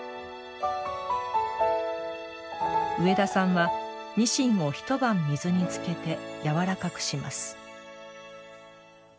植田さんは、にしんを一晩、水につけてやわらかくします。